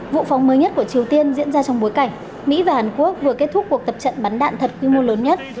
vụ phóng mới nhất của triều tiên diễn ra trong bối cảnh mỹ và hàn quốc vừa kết thúc cuộc tập trận bắn đạn thật quy mô lớn nhất